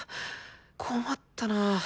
困ったな。